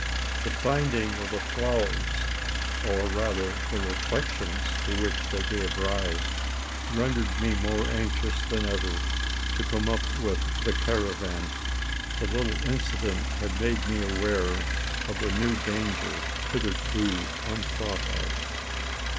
The finding of the flowers, or rather the reflections to which they gave rise, rendered me more anxious than ever to come up with, the caravan. The little incident had made me aware of a new danger hitherto unthought of.